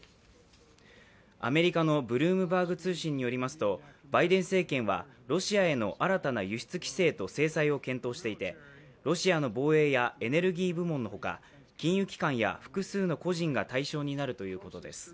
アメリカのブルームバーグ通信によりますと、バイデン政権はロシアへの新たな輸出規制と制裁を検討していて、ロシアのの防衛やエネルギー部門のほか、金融機関や複数の個人が対象になるということです。